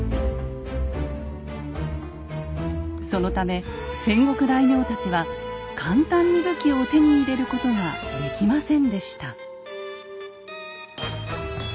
そのため戦国大名たちは簡単に武器を手に入れることができませんでした。